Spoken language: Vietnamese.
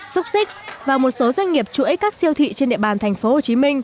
xúc xích và một số doanh nghiệp chuỗi các siêu thị trên địa bàn tp hcm